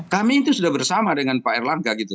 kami itu sudah bersama dengan pak erlangga gitu